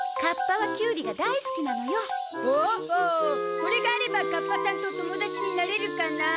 これがあればカッパさんと友達になれるかなあ？